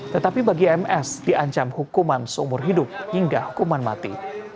tetapi bagi ms diancam hukuman seumur hidup hingga hukuman mati